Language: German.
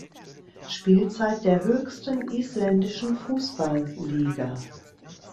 Spielzeit der höchsten isländischen Fußballliga.